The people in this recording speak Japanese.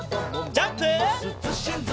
ジャンプ！